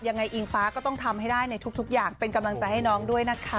อิงฟ้าก็ต้องทำให้ได้ในทุกอย่างเป็นกำลังใจให้น้องด้วยนะคะ